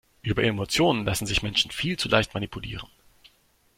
Über Emotionen lassen sich Menschen viel zu leicht manipulieren.